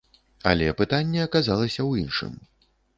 Але пытанне аказалася ў іншым.